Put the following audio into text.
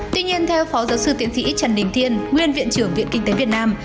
tuy nhiên theo phó giáo sư tiến sĩ trần đình thiên nguyên viện trưởng viện kinh tế việt nam